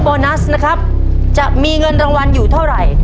โบนัสนะครับจะมีเงินรางวัลอยู่เท่าไหร่